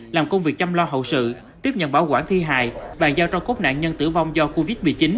làm công việc chăm lo hậu sự tiếp nhận bảo quản thi hài bàn giao cho cốt nạn nhân tử vong do covid một mươi chín